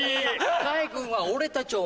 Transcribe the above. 海軍は俺たちを